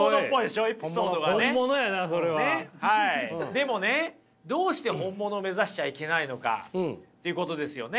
でもねどうして本物を目指しちゃいけないのかということですよね。